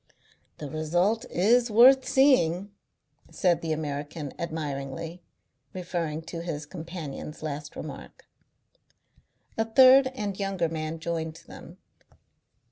"The result is worth seeing," said the American admiringly, referring to his companion's last remark. A third and younger man joined them.